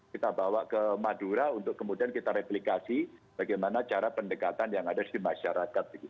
kita bawa ke madura untuk kemudian kita replikasi bagaimana cara pendekatan yang ada di masyarakat